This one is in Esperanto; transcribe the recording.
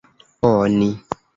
oni